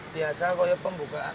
biasa kalau pembukaan